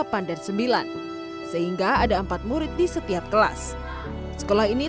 empat murid di setiap kelas sekolah ini terlalu banyak murid dan kelas ini terlalu banyak murid